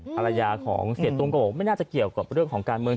ภรรยาของเสียตุ้มก็บอกไม่น่าจะเกี่ยวกับเรื่องของการเมือง